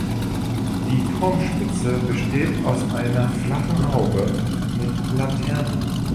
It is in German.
Die Turmspitze besteht aus einer flachen Haube mit Laterne.